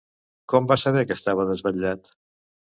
Com va saber que estava desvetllat?